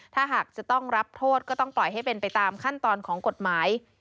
ถ้าหากจะต้องรับโทษก็ต้องปล่อยให้เป็นไปตามขั้นตอนของกฎหมาย